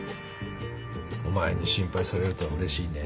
お前に心配されるとはうれしいね。